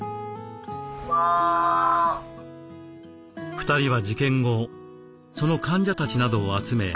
２人は事件後その患者たちなどを集め